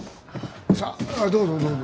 さあどうぞどうぞ。